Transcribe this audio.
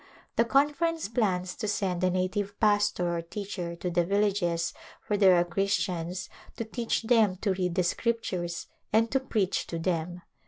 The Conference plans to send a native pastor or teacher to the villages where there are Christians to teach them to read the Scriptures and to preach to them.